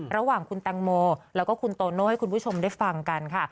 ระหว่างคุณแตงโมแล้วก็คุณโตโน่ให้คุณผู้ชมได้ฟังกันค่ะ